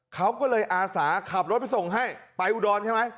เขาก็เลยอาสาขับรถไปส่งให้ไปอุดรใช่ไหม